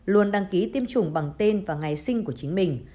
luôn đăng ký tiêm chủng bằng tên và ngày sinh của chính mình